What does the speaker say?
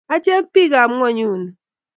Achek biikab ngonyuni